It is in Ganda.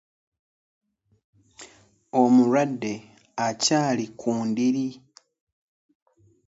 Omulwadde akyali ku ndiri.